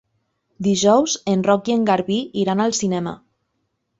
Dijous en Roc i en Garbí iran al cinema.